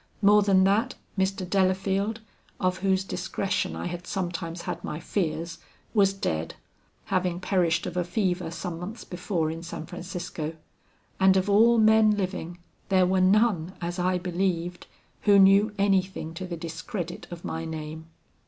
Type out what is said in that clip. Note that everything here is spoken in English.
More than that, Mr. Delafield, of whose discretion I had sometimes had my fears, was dead, having perished of a fever some months before in San Francisco; and of all men living, there were none as I believed, who knew anything to the discredit of my name.